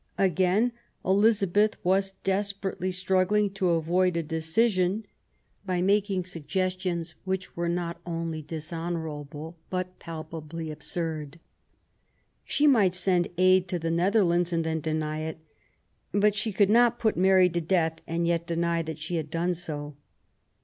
Again Elizabeth was desperately struggling to avoid a decision, by making suggestions which were not only dishonour able but palpably absurd. She might send aid to the Netherlands and then deny it ; but she could not put Mary to death and yet deny that she had done so.